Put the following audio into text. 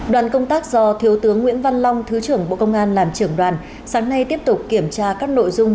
đoàn công tác do thiếu tướng nguyễn văn long thứ trưởng bộ công an làm trưởng đoàn sáng nay tiếp tục kiểm tra các nội dung